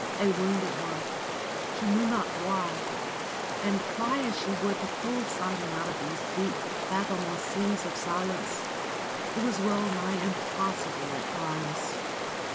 They wounded her, she knew not why, and try as she would to pull Simon out of these deep, fathomless seas of silence, it was well nigh impossible at times.